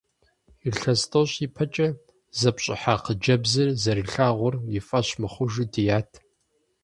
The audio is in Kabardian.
Илъэс тӏощӏ ипэкӏэ зэпщӏыхьа хъыджэбзыр зэрилъагъур и фӏэщ мыхъужу дият.